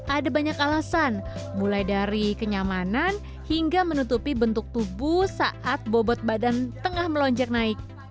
ada banyak alasan mulai dari kenyamanan hingga menutupi bentuk tubuh saat bobot badan tengah melonjak naik